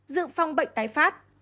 dự phòng bệnh tái phát